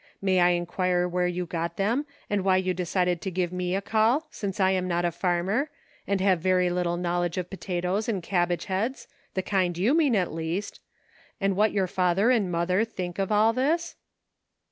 May I inquire where you got them, and why you decided to give me a call, since I am not a farmer, and have very little knowledge of potatoes and cabbage heads — the kind you mean, at least — and what your father and mother think of all this